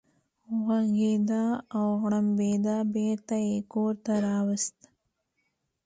غوږېده او غړمبېده، بېرته یې کور ته راوست.